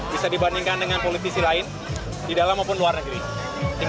bisa dibandingkan dengan politisi lain di dalam maupun luar negeri